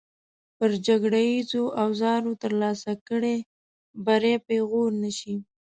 پر جګړیزو اوزارو ترلاسه کړی بری پېغور نه شي.